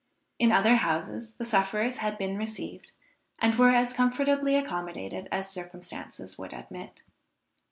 In other houses the sufferers had been received, and were as comfortably accommodated as circumstances would admit.